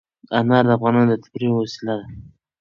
انار د افغانانو د تفریح یوه وسیله ده.